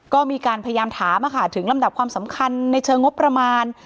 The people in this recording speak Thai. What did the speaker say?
ก็มีการพยายามถามถึงลำดับความสำคัญในเชิงงบประมาณ